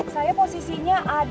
saya posisinya ada di